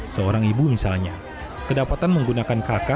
seorang ibu misalnya kedapatan menggunakan kakak